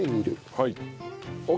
はい。